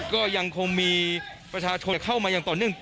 ก็ยังคงมีประชาชนเข้ามาอย่างต่อเนื่อง